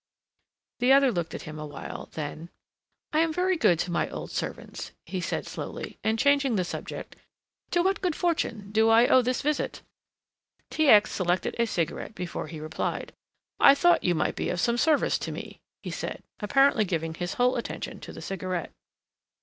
The other looked at him awhile, then, "I am very good to my old servants," he said slowly and, changing the subject; "to what good fortune do I owe this visit?" T. X. selected a cigarette before he replied. "I thought you might be of some service to me," he said, apparently giving his whole attention to the cigarette.